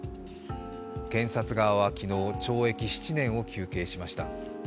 検察側は昨日、懲役７年を求刑しました。